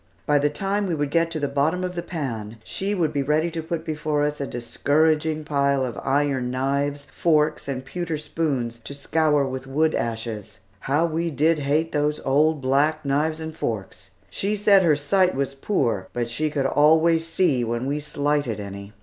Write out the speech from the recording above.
By the time we would get to the bottom of the pan, she would be ready to put before us a discouraging pile of iron knives, forks, and pewter spoons to scour with wood ashes. How we did hate those old black knives and forks! She said her sight was poor but she could always see when we slighted any.